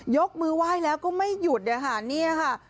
ยกมือไหว้แล้วก็ไม่หยุดนะคะเนี่ยค่ะ